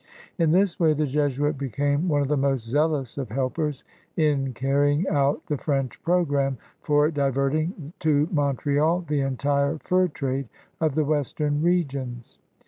In this way the Jesuit became one of the most zealous of helpers in carrying out the French program for diverting to Montreal the entire fur trade of the western regions.